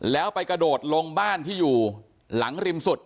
แล้วไปกระโดดลงบ้านที่อยู่หลังริมสุด